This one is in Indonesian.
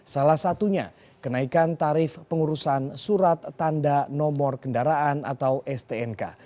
salah satunya kenaikan tarif pengurusan surat tanda nomor kendaraan atau stnk